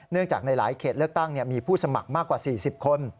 จากในหลายเขตเลือกตั้งมีผู้สมัครมากกว่า๔๐คน